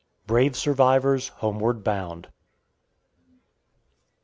"BRAVE SURVIVORS" HOMEWARD BOUND.